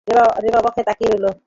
রেবা অবাক হয়ে তাকিয়ে রইল।